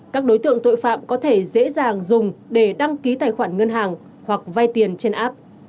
các đối tượng tội phạm có thể dễ dàng dùng để đăng ký tài khoản ngân hàng hoặc vay tiền trên app